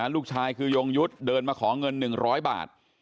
ลูกชายคือยงยุทธ์เดินมาขอเงิน๑๐๐บาท